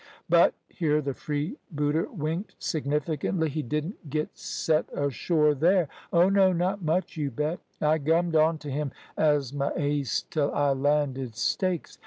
But" here the freebooter winked significantly "he didn't git set ashore there. Oh no, not much, you bet. I gummed on t' him as m' ace till I landed stakes.